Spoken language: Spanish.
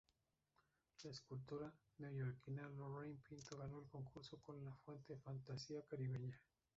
La escultora neoyorkina Lorraine Pinto ganó el concurso con la fuente ""Fantasía Caribeña"".